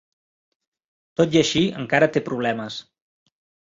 Tot i així, encara té problemes.